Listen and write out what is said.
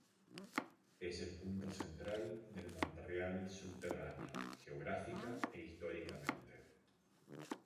Es el punto central del Montreal subterráneo, geográfica e históricamente.